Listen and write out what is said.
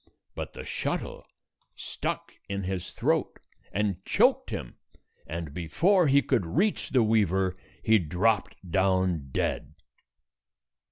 But the shuttle stuck in his throat and choked him, and before he could reach the weaver, he dropped down dead.